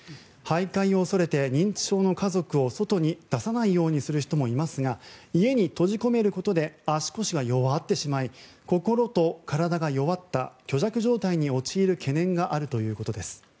徘徊を恐れて認知症の家族を外に出さないようにする人もいますが家に閉じ込めることで足腰が弱ってしまい心と体が弱った虚弱状態に陥る懸念があるということです。